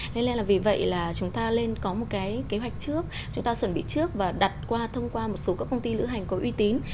thế nên là vì vậy là chúng ta nên có một cái kế hoạch trước chúng ta chuẩn bị trước và đặt qua thông qua một số các công ty lữ hành có uy tín